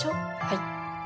はい。